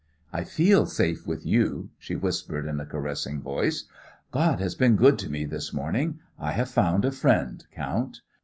"I feel safe with you," she whispered in a caressing voice. "God has been good to me this morning. I have found a friend, count.